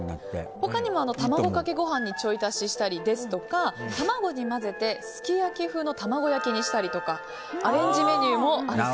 他にも卵かけご飯にちょい足ししたり卵に混ぜてすき焼き風の卵焼きにしたりとかアレンジメニューもあると。